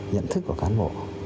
nhận thức của cán bộ